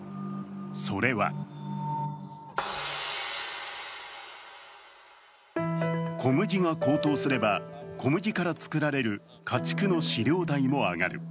それは小麦が高騰すれば、小麦から作られる家畜の飼料代も上がる。